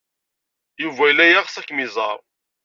Yuba yella yeɣs ad kem-iẓer.